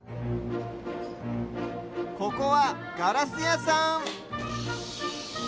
ここはガラスやさん